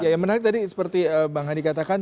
yang menarik tadi seperti bang hadi katakan